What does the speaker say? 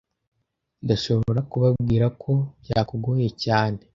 Ndashobora kubabwira ko byakugoye cyane